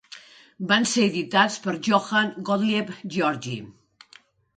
Van ser editats per Johann Gottlieb Georgi.